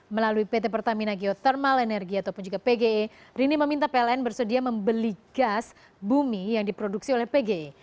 melalui pt pertamina geothermal energy ataupun juga pge rini meminta pln bersedia membeli gas bumi yang diproduksi oleh pgi